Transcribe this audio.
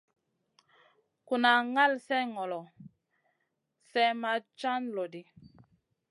Kuna ŋal slèh ŋolo, slèh may can loɗi.